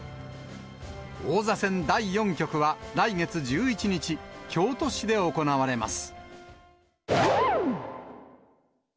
王座戦第４局は、来月１１日、京都市で行われます。